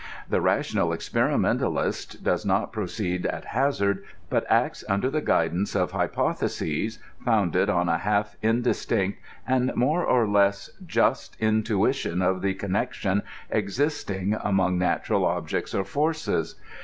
The ra tional experimentalist does not proceed at hazard, but acts imder the guidance of hypotheses, founded on a half indistinct and more or less just intuition of the connection existing among natural objects or forces.